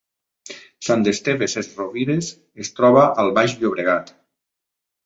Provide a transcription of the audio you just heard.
Sant Esteve Sesrovires es troba al Baix Llobregat